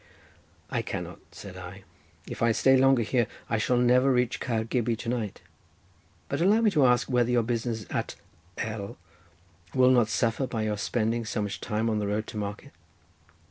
"I cannot," said I, "if I stay longer here I shall never reach Caer Gybi to night. But allow me to ask whether your business at L— will not suffer by your spending so much time on the road to market?"